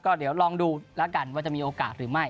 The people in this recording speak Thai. เดี๋ยวลองดูแล้วกันว่าจะมีโอกาสหรือไม่